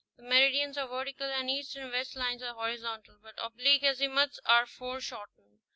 The merid ians are vertical and east and west lines are horizontal, but oblique azimuths are foreshortened.